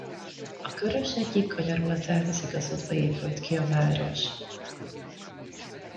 A Körös egyik kanyarulatához igazodva épült ki a város.